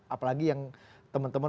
apalagi yang teman teman